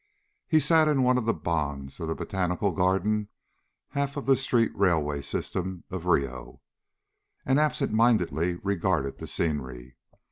He sat in one of the bondes of the Botanical Garden half of the street railway system of Rio, and absent mindedly regarded the scenery.